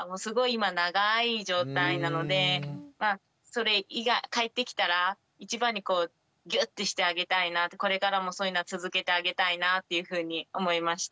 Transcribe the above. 今長い状態なので帰ってきたら一番にこうギュッてしてあげたいなってこれからもそういうのは続けてあげたいなっていうふうに思いました。